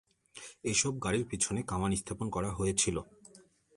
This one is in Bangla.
এসব গাড়ির পিছনে কামান স্থাপন করা হয়েছিল।